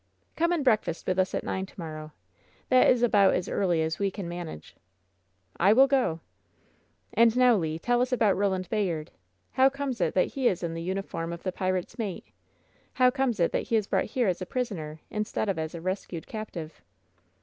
"Come and breakfast with us at nine to morrow. That is about as early as we can manage." "I will go!" "And now, Le, tell us about Eoland Bayard. How comes it that he is in the uniform of the pirate's mate? How comes it that he is brought here as a prisoner, in stead of as a rescued captive?"